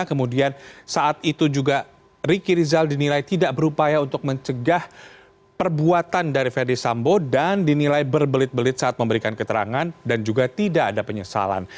kemudian saat itu juga riki rizal dinilai tidak berupaya untuk mencegah perbuatan dari verdi sambo dan dinilai berbelit belit saat memberikan keterangan dan juga tidak ada penyesalan